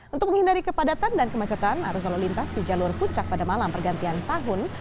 untuk menghindari kepadatan dan kemacetan arus lalu lintas di jalur puncak pada malam pergantian tahun